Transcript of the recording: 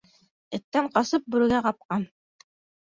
Эттән ҡасып, бүрегә ҡапҡан.